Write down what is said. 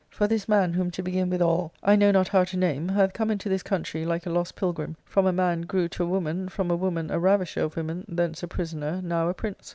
For this man, whom to begin withal I know not how to name, hath come into this country like a lost pilgrim, from a man grew to a woman, from a woman a ravisher of women, thence a prisoner, now a prince.